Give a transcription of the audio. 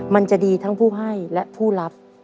มันจะดีทั้งผู้ให้และผู้รับ